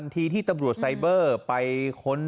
ทีที่ตำรวจไซเบอร์ไปค้น